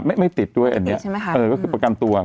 ไม่ไม่ติดด้วยอันนี้ใช่ไหมคะเออก็คือประกันตัว